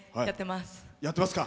やってます。